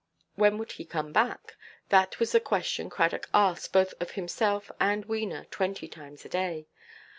When would he come back? That was the question Cradock asked, both of himself and Wena, twenty times a day.